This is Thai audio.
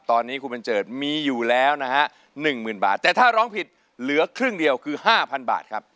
ตอนนี้คุณบัญเจิดมีอยู่แล้วนะฮะหนึ่งหมื่นบาทแต่ถ้าร้องผิดเหลือครึ่งเดียวคือ๕๐๐บาทครับ